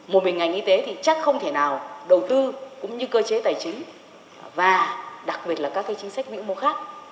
một bệnh ngành y tế thì chắc không thể nào đầu tư cũng như cơ chế tài chính và đặc biệt là các cái chính sách mỹ mô khác